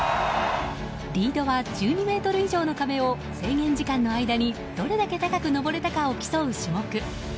リードは１２ｍ以上の壁を制限時間の間にどれだけ高く登れたかを競う種目。